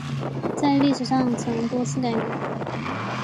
在历史上曾多次改名。